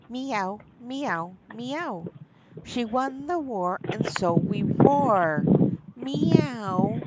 Mee ow! mee ow! mee ow! She won the war and so we roar MEE OW!